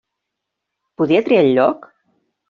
Podia triar el lloc?